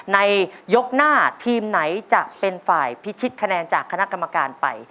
ในยกหน้าทีมไหนจะเป็นฝ่ายพิชิตคะแนนจากคณะกรรมการไป